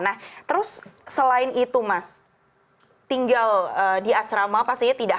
nah terus selain itu mas tinggal di asrama pastinya tidak hanya di asrama